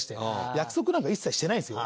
約束なんか一切してないですよ。